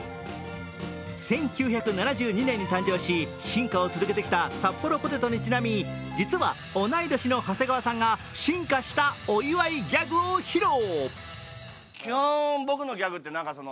１９７２年に誕生し、進化を続けてきたサッポロポテトにちなみ実は同い年の長谷川さんが進化したお祝いギャグを披露。